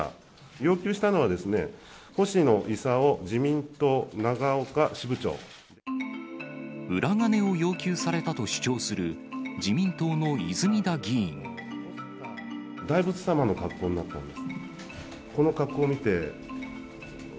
要求したのは、裏金を要求されたと主張する、大仏様の格好になったんです。